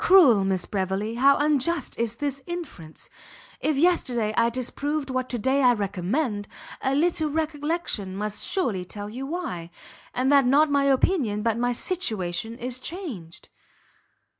"Cruel Miss Beverley! how unjust is this inference! If yesterday I disapproved what to day I recommend, a little recollection must surely tell you why; and that not my opinion, but my situation is changed."